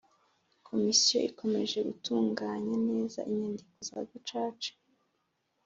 Komisiyo ikomeje gutunganya neza inyandiko za Gacaca